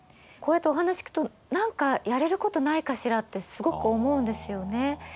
こうやってお話聞くと何かやれることないかしらってすごく思うんですよね。